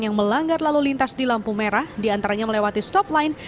yang melanggar lalu lintas di lampu merah diantaranya melewati stop line